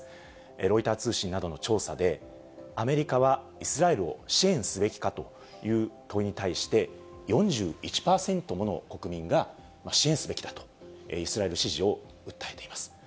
ロイター通信などの調査で、アメリカはイスラエルを支援すべきかという問いに対して、４１％もの国民が支援すべきだと、イスラエル支持を訴えています。